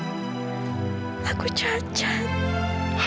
kamu tahu kan vita aku cacat kamu lagi bukan